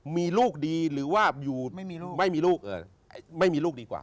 มีลูกดีหรือว่ามีอยู่ไม่มีลูกไม่มีลูก